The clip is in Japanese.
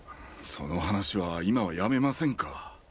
その話は今はやめませんか？